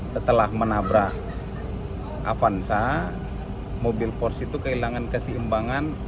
setelah menabrak avanza mobil porsi itu kehilangan keseimbangan